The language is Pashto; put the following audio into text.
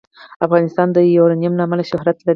افغانستان د یورانیم له امله شهرت لري.